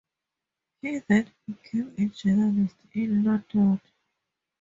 He then became a journalist in London.